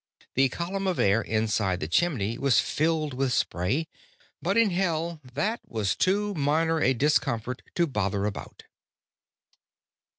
The column of air inside the chimney was filled with spray, but in Hell that was too minor a discomfort to bother about.